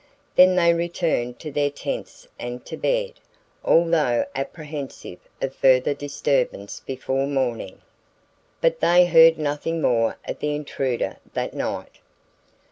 Then they returned to their tents and to bed, although apprehensive of further disturbance before morning. But they heard nothing more of the intruder that night.